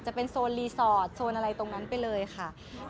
จะเป็นโซนรีสอร์ทโซนอะไรตรงนั้นไปเลยค่ะ